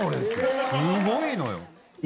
すごいのよ。